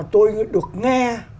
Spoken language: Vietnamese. tôi mới được nghe